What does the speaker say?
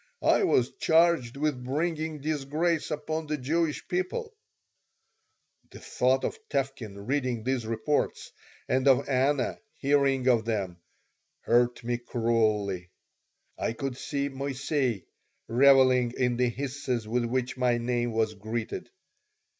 I was charged with bringing disgrace upon the Jewish people The thought of Tevkin reading these reports and of Anna hearing of them hurt me cruelly. I could see Moissey reveling in the hisses with which my name was greeted.